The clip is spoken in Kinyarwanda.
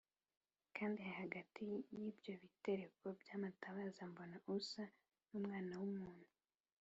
kandi hagati y’ibyo bitereko by’amatabaza mbona usa n’Umwana w’umuntu,